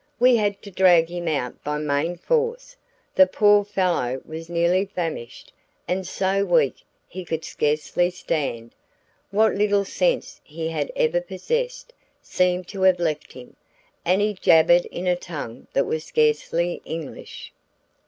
We had to drag him out by main force. The poor fellow was nearly famished and so weak he could scarcely stand. What little sense he had ever possessed seemed to have left him, and he jabbered in a tongue that was scarcely English.